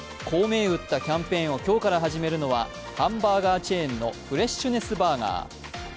こう銘打ったキャンペーンを今日から始めるのはハンバーガーチェーンのフレッシュネスバーガー。